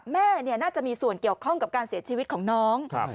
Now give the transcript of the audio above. น่าจะมีส่วนเกี่ยวข้องกับการเสียชีวิตของน้อง